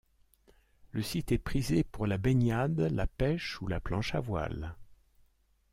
Le site est prisé pour la baignade, la pêche ou la planche à voile.